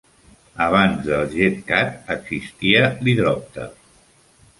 Abans del JetCat existia l'hidròpter.